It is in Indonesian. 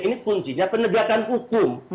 ini kuncinya penegakan hukum